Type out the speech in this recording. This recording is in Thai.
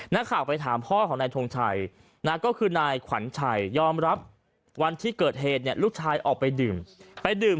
นักข่าวไปถามพ่อของนายทงชัยนะก็คือนายขวัญชัยยอมรับวันที่เกิดเหตุเนี่ยลูกชายออกไปดื่มไปดื่ม